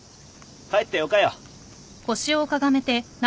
帰ってよかよ。